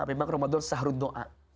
memang ramadan sahru doa